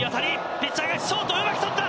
ピッチャー返し、ショートがうまく捕った。